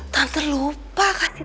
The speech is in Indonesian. tante lupa kasih